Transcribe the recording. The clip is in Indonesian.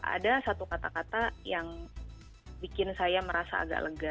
ada satu kata kata yang bikin saya merasa agak lega